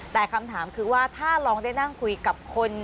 แต่คำถามคือว่าถ้าลองได้นั่งคุยกับคน